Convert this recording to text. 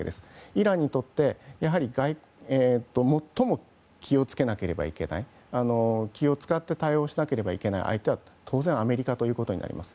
イランにとって、やはり最も気を付けなければいけない気を使って対応しなきゃいけない相手は当然、アメリカということになります。